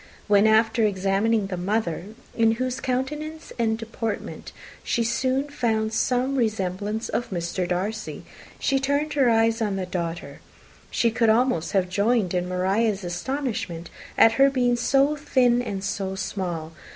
When, after examining the mother, in whose countenance and deportment she soon found some resemblance of Mr. Darcy, she turned her eyes on the daughter, she could almost have joined in Maria's astonishment at her being so thin and so small.